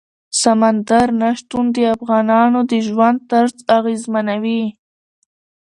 سمندر نه شتون د افغانانو د ژوند طرز اغېزمنوي.